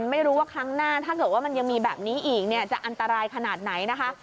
ไม่รู้ว่าครั้งหน้าถ้าเกิดว่ามันยังมีแบบนี้อีกเนี่ยจะอันตรายขนาดไหนนะคะ